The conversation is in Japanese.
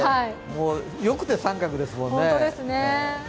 よくて△ですもんね。